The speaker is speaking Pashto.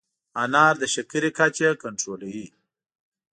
انار د شکر کچه کنټرولوي.